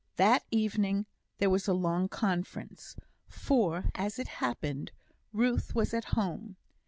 That evening there was a long conference, for, as it happened, Ruth was at home.